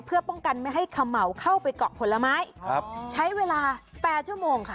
เพื่อป้องกันไม่ให้เขม่าเข้าไปเกาะผลไม้ครับใช้เวลาแปดชั่วโมงค่ะ